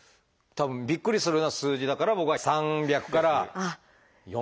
たぶんびっくりするような数字だから僕は３００から４００Ｌ。